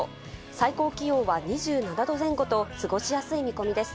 最高気温は２７度前後と過ごしやすい見込みです。